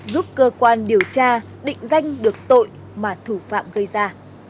giúp cơ quan điều tra định danh được tội mà thủ phạm gây ra